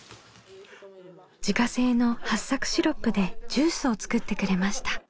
自家製のはっさくシロップでジュースを作ってくれました。